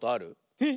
えっ！